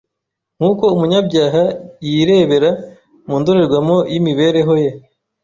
Nk’uko umunyabyaha yirebera mu ndorerwamo y’imibereho ye